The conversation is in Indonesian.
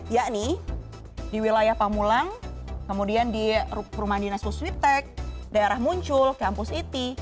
yakni di wilayah pamulang kemudian di rumah dinas wiswiptek daerah muncul kampus iti